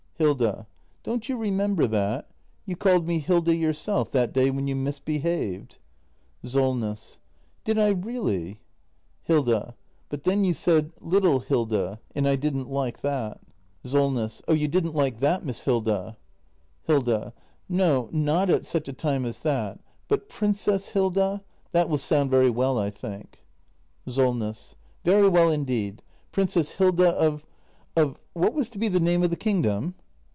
Hilda. Don't you remember that ? You called me Hilda yourself — that day when you misbehaved. Solness. Did I really ? Hilda. But then you said "little Hilda"; and I didn't like that. 314 THE MASTER BUILDER [act i SOLNESS. Oh, you didn't like that, Miss Hilda ? Hilda. No, not at such a time as that. But — "Princess Hilda" — that will sound very well, I think. SOLNESS. Very well indeed. Princess Hilda of — of — what was to be the name of the kingdom?